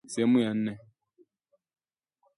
Sehemu ya nne